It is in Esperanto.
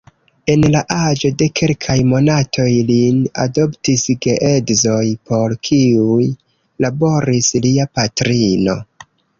En la aĝo de kelkaj monatoj lin adoptis geedzoj, por kiuj laboris lia patrino.